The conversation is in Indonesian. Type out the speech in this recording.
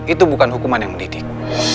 itu bukan hukuman yang mendidik